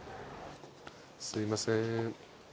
すいません。